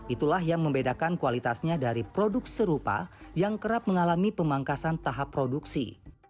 itulah yang membedakan kualitasnya dari produk serupa yang kerap mengalami pemangkasan tahap produksi